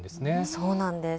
そうなんです。